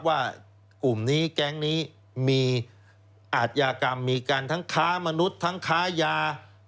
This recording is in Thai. ว่ากลุ่มนี้แก๊งนี้มีอาทยากรรมมีการทั้งค้ามนุษย์ทั้งค้ายา